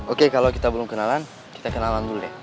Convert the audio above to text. oke kalau kita belum kenalan kita kenalan dulu deh